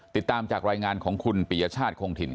ติดตามจากรายงานของคุณปียชาติคงถิ่น